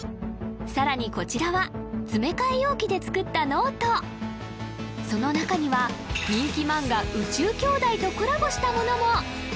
さらにこちらは詰め替え容器で作ったノートその中には人気漫画「宇宙兄弟」とコラボしたものも！